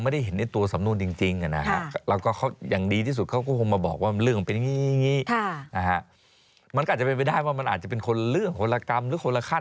ผมเห็นอย่างนี้จริงก็ผมเชื่อว่า